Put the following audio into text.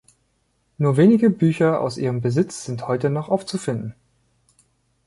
Nur wenige Bücher aus ihrem Besitz sind heute noch aufzufinden.